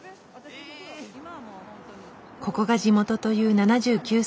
ここが地元という７９歳の女性。